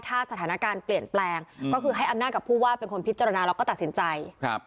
ถ้าสถานการณ์เปลี่ยนแปลงก็คือให้อำนาจกับผู้ว่าเป็นคนพิจารณาแล้วก็ตัดสินใจครับ